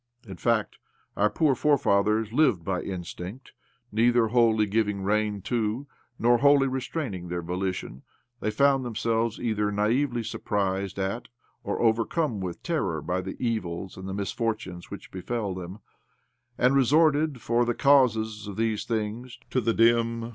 In fact, our poor fore | fathers lived by instinct. Neither wholly, giving rein to nor wholly restraining their volition^ they found themselves either naively surprised at or overcome with terror by the evils and the misfortunes which befell them;,^ and resorted for the causes of these things to the dim!